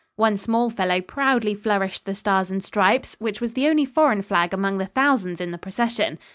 One small fellow proudly flourished the Stars and Stripes, which was the only foreign flag among the thousands in the procession.